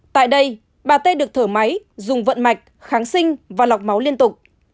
tại đây bà tê được thở máy dùng vận mạch kháng sinh và lọc máu liên tục